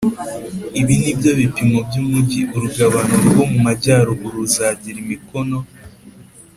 b Ibi ni byo bipimo by umugi urugabano rwo mu majyaruguru ruzagire imikono